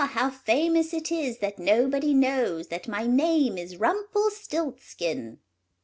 how famous it is that nobody knows That my name is Rumpelstiltskin.'"